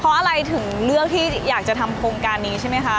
เพราะอะไรถึงเลือกที่อยากจะทำโครงการนี้ใช่ไหมคะ